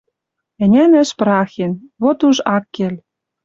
«Ӹнянӓш пырахен... Вот уж ак кел…